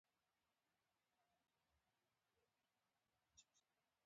په جسمي او روحي لحاظ تکلیف راکړ.